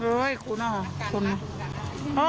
โอ้ยคุณอ่ะคุณ